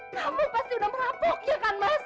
kamu pasti udah mengapuk ya kan mas